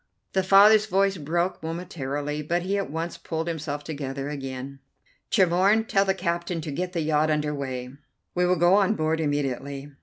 The father's voice broke momentarily, but he at once pulled himself together again. "Tremorne, tell the captain to get the yacht under way. We will go on board immediately.